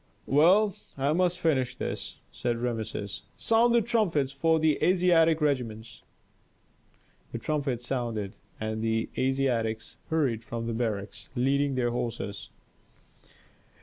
"Well, I must finish this!" said Rameses. "Sound the trumpets for the Asiatic regiments." The trumpets sounded, and the Asiatics hurried from the barracks, leading their horses.